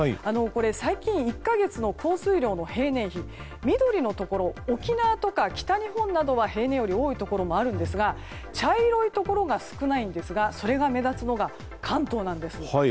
最近１か月の降水量の平年比緑のところ、沖縄とか北日本は平年より多いところもあるんですが茶色いところが少ないんですがそれが目立つのが関東です。